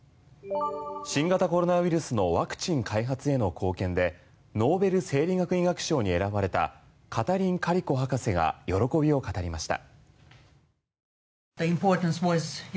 新型コロナウイルスのワクチン開発への貢献でノーベル生理学医学賞に選ばれたカタリン・カリコ博士が喜びを語りました。